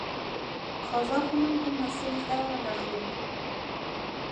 قازاخۇنۇم بۇ مەسىلىدە ھەقلىق.